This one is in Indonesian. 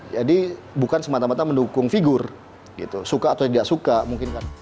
jadi bukan semata mata mendukung figur suka atau tidak suka mungkin kan